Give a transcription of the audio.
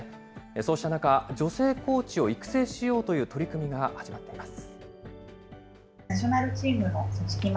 そうした中、女性コーチを育成しようという取り組みが始まっています。